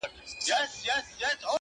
اوس مي له هري لاري پښه ماته ده”